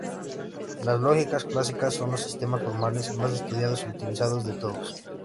Las lógicas clásicas son los sistemas formales más estudiados y utilizados de todos.